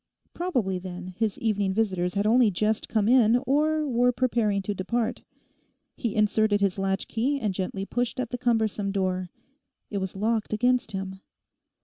Probably, then, his evening visitors had only just come in, or were preparing to depart. He inserted his latchkey and gently pushed at the cumbersome door. It was locked against him.